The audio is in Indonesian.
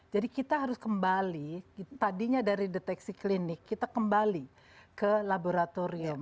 jadi kita harus kembali tadinya dari deteksi klinik kita kembali ke laboratorium